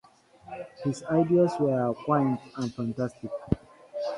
His ideas were quaint and fantastic.